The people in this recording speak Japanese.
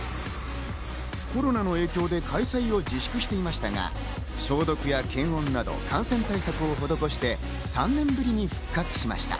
コロナの影響で開催を自粛していましたが、消毒や検温など感染対策を施して３年ぶりに復活しました。